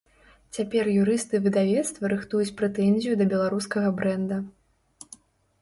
Цяпер юрысты выдавецтва рыхтуюць прэтэнзію да беларускага брэнда.